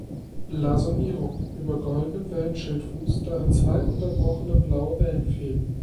Blasonierung: „Über goldenem Wellenschildfuß, darin zwei unterbrochene blaue Wellenfäden.